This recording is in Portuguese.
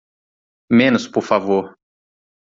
Menos por favor!